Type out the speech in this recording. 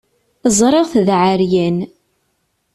Ẓriɣ-t d aεeryan.